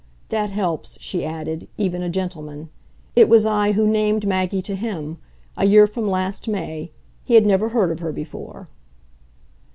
That helps," she added, "even a gentleman. It was I who named Maggie to him a year from last May. He had never heard of her before."